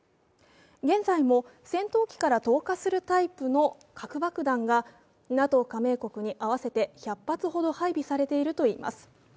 現在も、戦闘機から投下するタイプの核爆弾がＮＡＴＯ加盟国に合わせて１００発ほど配備されているといいます。